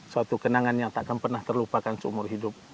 suatu kenangan yang takkan pernah terlupakan seumur hidup